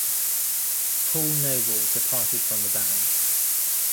Paul Noble departed from the band.